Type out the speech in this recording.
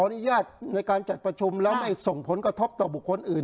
นี่มีปัญหาเลย